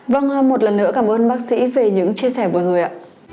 vâng một lần nữa cảm ơn bác sĩ về những chia sẻ vừa rồi ạ